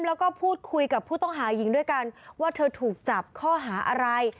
แล้วก็พูดคุยกับผู้ต้องหาหญิงด้วยกันว่าเธอถูกจับข้อหาอะไร